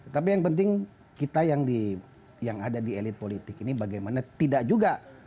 tapi yang penting kita yang ada di elit politik ini bagaimana tidak juga